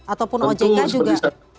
ataupun ojk juga